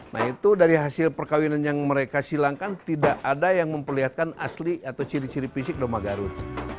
nah itu dari hasil perkawinan yang mereka silangkan tidak ada yang memperlihatkan asli atau ciri ciri fisik rumah garut